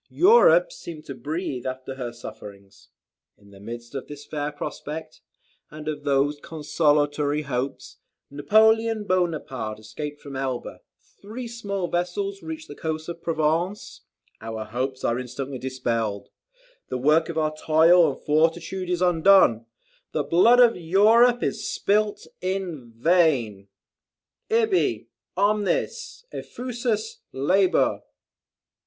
Europe seemed to breathe after her sufferings. In the midst of this fair prospect, and of these consolatory hopes, Napoleon Bonaparte escaped from Elba; three small vessels reached the coast of Provence; our hopes are instantly dispelled; the work of our toil and fortitude is undone; the blood of Europe is spilt in vain "'Ibi omnis effusus labor!'"